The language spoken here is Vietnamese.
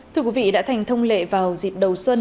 thưa quý vị đã thành thông lệ vào dịp đầu xuân